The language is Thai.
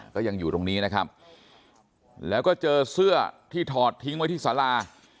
ก็ยังอยู่ตรงนี้นะครับแล้วก็เจอเสื้อที่ถอดทิ้งไว้ที่สารา